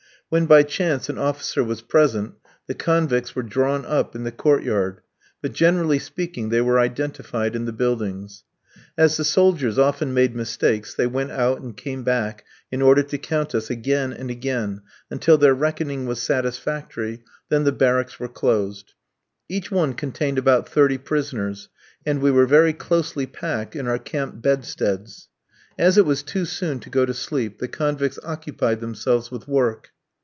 When by chance an officer was present, the convicts were drawn up in the court yard, but generally speaking they were identified in the buildings. As the soldiers often made mistakes, they went out and came back in order to count us again and again, until their reckoning was satisfactory, then the barracks were closed. Each one contained about thirty prisoners, and we were very closely packed in our camp bedsteads. As it was too soon to go to sleep, the convicts occupied themselves with work.